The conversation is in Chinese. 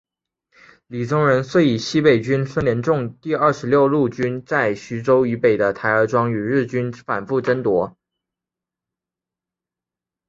李宗仁遂以西北军孙连仲第二十六路军在徐州以北的台儿庄与日军反复争夺。